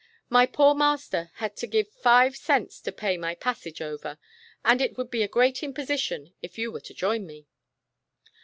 My poor master had to give five cents to pa\' my passage over, and it would be a great imposition, if you were to join me."